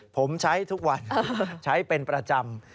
ผมใช้ทุกวันใช้เป็นประจำ